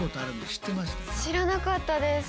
知らなかったです。